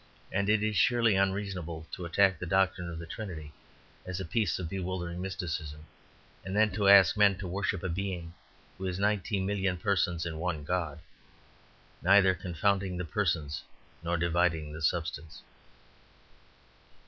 And it is surely unreasonable to attack the doctrine of the Trinity as a piece of bewildering mysticism, and then to ask men to worship a being who is ninety million persons in one God, neither confounding the persons nor dividing the substance.